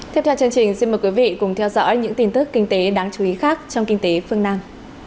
tiếp theo chương trình xin mời quý vị cùng theo dõi những tin tức kinh tế đáng chú ý khác trong kinh tế phương nam